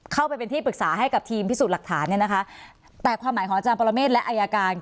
เข้าไปเป็นที่ปรึกษาให้กับทีมพิสูจน์หลักฐานเนี่ยนะคะแต่ความหมายของอาจารย์ปรเมฆและอายการ